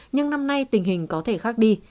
nhưng năm nay tình hình có thể khác đi